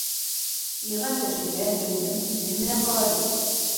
Йыйған тәжрибәм, белемем үҙем менән ҡала бит!